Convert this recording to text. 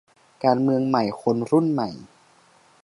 การเมืองใหม่คนรุ่นใหม่